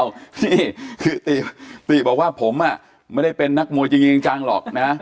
พี่คือติบอกว่าผมไม่ได้เป็นนักมวยจริงจังหรอกนะ